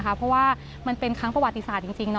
เพราะว่ามันเป็นครั้งประวัติศาสตร์จริง